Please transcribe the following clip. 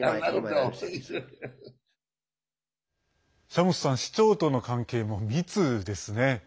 シャムスさん市長との関係も密ですね。